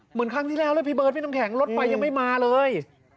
เหมือนครั้งที่แล้วเลยพี่เบิร์ดพี่น้ำแข็งรถไฟยังไม่มาเลย